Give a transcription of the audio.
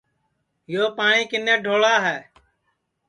یو پاٹؔی کِنے ڈھوڑا ہے